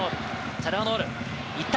チャルハノールいった。